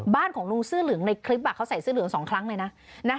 บ้านของลุงซื้อหลึงในคลิปเอาเสียวิวสองครั้งเลยนะ